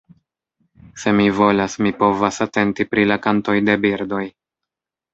Se mi volas, mi povas atenti pri la kantoj de birdoj.